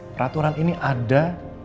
peraturan ini ada